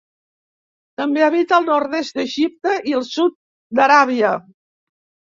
També habita el nord-est d'Egipte i el sud d'Aràbia.